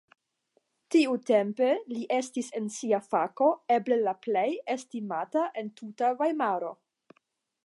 Tiutempe li estis en sia fako eble la plej estimata en tuta Vajmaro.